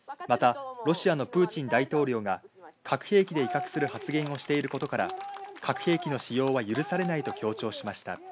またロシアのプーチン大統領が、核兵器で威嚇する発言をしていることから、核兵器の使用は許されないと強調しました。